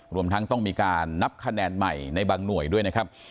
รวมทั้งต้องมีการนับคะแนนใหม่ในบางหน่วยด้วยนะครับ